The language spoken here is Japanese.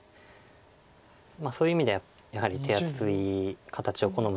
そういう意味ではやはり手厚い形を好む